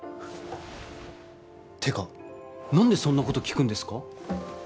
てか何でそんなこと聞くんですか？